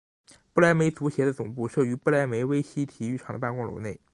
不来梅足协的总部设于不来梅威悉体育场的办公楼内。